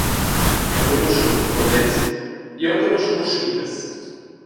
Jeu enconuschel buca problems, jeu enconuschel mo sfidas.